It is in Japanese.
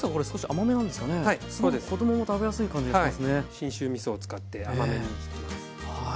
信州みそを使って甘めにしています。